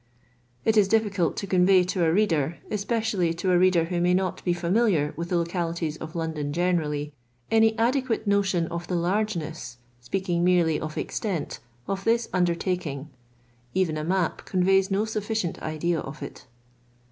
It is difficult to convey to a reader, especially to a reader who may not be funiliar with the localities of London generally, any adequate no tion of the largeness, speaking merely of extent, of this undertaking. Even a map conveys no sufficient idea of it.